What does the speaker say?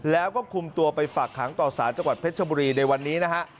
แล้วก็คุมตัวไปฝากขังต่อสารจังหวัดเพชรชบุรีในวันนี้นะฮะ